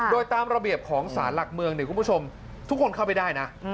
โดยตามระเบียบของศาลหลักเมืองทุกคนเข้าไปได้นะ